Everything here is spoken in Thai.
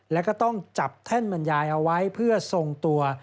แล้วก็ต้องจับแท่นบรรยายเอาไว้เพื่อทรงตัว